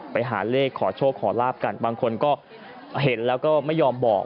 ไปหาเลขขอโชคขอลาบกันบางคนก็เห็นแล้วก็ไม่ยอมบอก